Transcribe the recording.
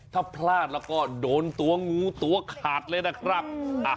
ถ้าพลาดแล้วก็โดนตัวงูตัวขาดเลยนะครับ